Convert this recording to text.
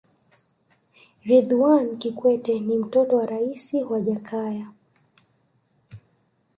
ridhwan kikwete ni mtoto wa raisi wa jakaya